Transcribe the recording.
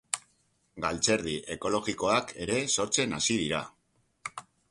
Galtzerdi ekologikoak ere sortzen hasi dira.